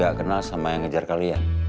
gak kenal sama yang ngejar kalian